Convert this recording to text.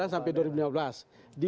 dua ribu sembilan sampai dua ribu lima belas